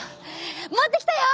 持ってきたよ！